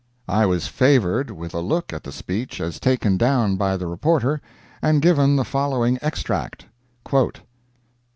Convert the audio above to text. I was favored with a look at the speech as taken down by the reporter, and give the following extract: "_____!